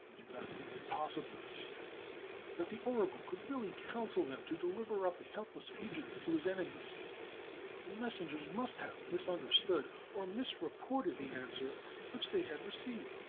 He did not think it pos sible, he said, that the oracle could really counsel them to deliver up a helpless fugitive to his enemies. The mes sengers must have misunderstood or misreported the answer which they had received.